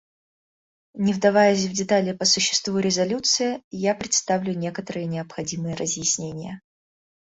Не вдаваясь в детали по существу резолюции, я представлю некоторые необходимые разъяснения.